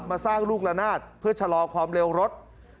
มาสร้างลูกละนาดเพื่อชะลอความเร็วรถ